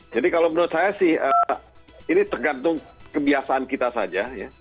jadi kalau menurut saya sih ini tergantung kebiasaan kita saja ya